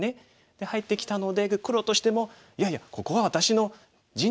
で入ってきたので黒としても「いやいやここは私の陣地ですよ。